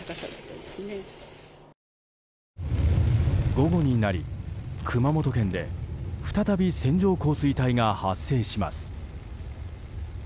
午後になり熊本県で再び線状降水帯が発生します。